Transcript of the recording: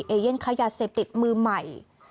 เอเย่นค้ายาเสพติดมือใหม่